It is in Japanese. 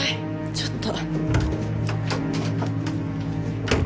ちょっと。